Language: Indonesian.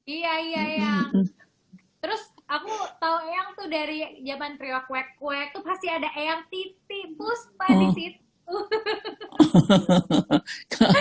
iya iya yang terus aku tahu yang tuh dari zaman pria kwek kwek pasti ada yang titik